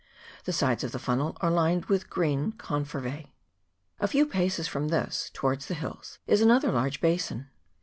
The sides of the funnel are lined with green Confervse. A few paces from this, towards the hills, is another large basin.